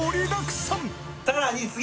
さらに次！